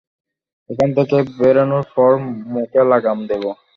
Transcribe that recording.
এখান থেকে বেরানোর পরই মুখে লাগাম দেবো।